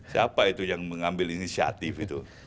siapa itu yang mengambil inisiatif itu